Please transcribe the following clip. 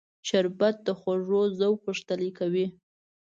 شربت د خوږو ذوق غښتلی کوي